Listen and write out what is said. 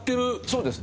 そうです。